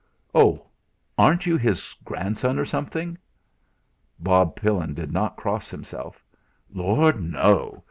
"Oh! Aren't you his grandson, or something?" Bob Pillin did not cross himself. "Lord! No!